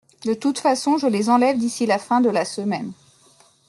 De toute façon, je les enlève d’ici la fin de la semaine.